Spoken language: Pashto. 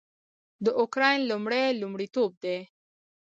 د اوکراین لومړی لومړیتوب دی